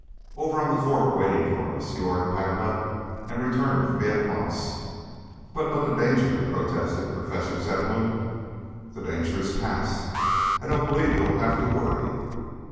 "Over on the fork waiting for us. You are to pack up and return with me at once." "But but, the danger," protested Professor Zepplin. "The danger is past. I don't believe you will have to worry."